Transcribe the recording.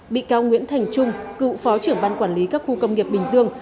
bị cáo nguyễn thành trung cựu phó trưởng ban quản lý các khu công nghiệp bình dương